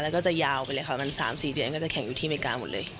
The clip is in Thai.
แล้วก็จะยาวไปเลยค่ะมัน๓๔เดือนก็จะแข่งอยู่ที่อเมริกาหมดเลย